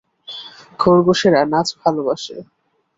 খরগোশেরা নাচ ভালোবাসে।